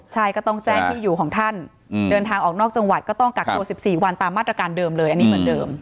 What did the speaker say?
ใช่ก็ต้องแจ้งที่อยู่ของท่านเดินทางออกนอกจังหวัดก็ต้องกักตัว๑๔วันตามมาตรการเดิมเลยอันนี้เหมือนเดิม